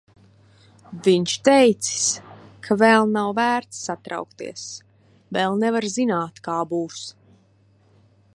Viņš teicis, ka vēl nav vērts satraukties, vēl nevar zināt, kā būs.